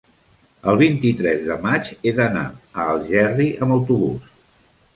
el vint-i-tres de maig he d'anar a Algerri amb autobús.